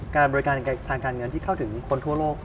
การบริการทางการเงินที่เข้าถึงคนทั่วโลก